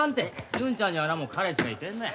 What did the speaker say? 純ちゃんにはなもう彼氏がいてんのや。